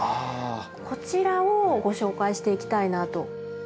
こちらをご紹介していきたいなと。